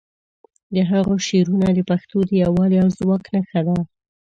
د هغه شعرونه د پښتو د یووالي او ځواک نښه دي.